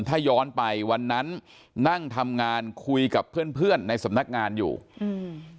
ถ้าย้อนไปวันนั้นนั่งทำงานคุยกับเพื่อนเพื่อนในสำนักงานอยู่อืม